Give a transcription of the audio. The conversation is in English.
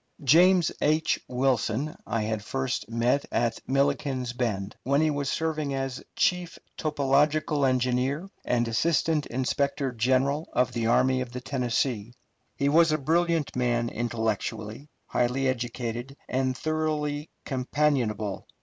James H. Wilson I had first met at Milliken's Bend, when he was serving as chief topographical engineer and assistant inspector general of the Army of the Tennessee. He was a brilliant man intellectually, highly educated, and thoroughly companionable.